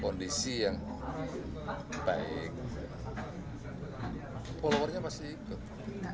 kondisi yang baik followernya pasti ikut